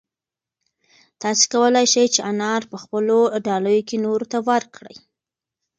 تاسو کولای شئ چې انار په خپلو ډالیو کې نورو ته ورکړئ.